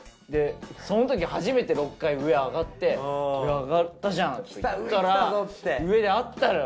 その時初めて６階上上がって上がったじゃんって行ったら上で会ったよ。